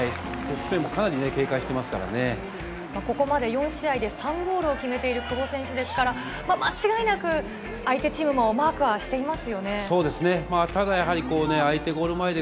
スペインもかなり警戒してまここまで４試合で３ゴールを決めている久保選手ですから、間違いなく、相手チームもマークはしていますよね。